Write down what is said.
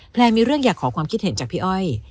แนนมีเรื่องอยากขอความคิดเห็นจากพี่อ้อย